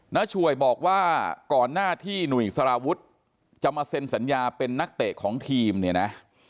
ช่วยบอกว่าก่อนหน้าที่หนุ่ยสารวุฒิจะมาเซ็นสัญญาเป็นนักเตะของทีมเนี่ยนะ